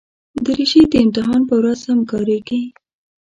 دریشي د امتحان پر ورځ هم کارېږي.